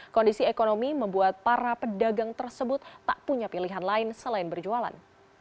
kondisi ekonomi membuat para pedagang tersebut tak punya pilihan lain selain berjualan